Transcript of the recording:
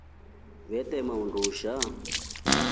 Vetema undusha.